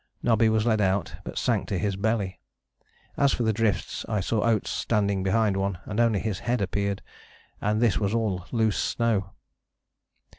Nobby was led out, but sank to his belly. As for the drifts I saw Oates standing behind one, and only his head appeared, and this was all loose snow.